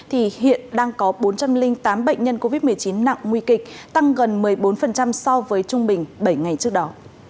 thì hiện đang có bốn trăm linh tám bệnh nhân covid một mươi chín nặng nguy kịch tăng gần một mươi bốn so với trung bình bảy ngày trước đó